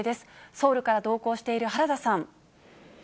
ソウルから同行している原田さん。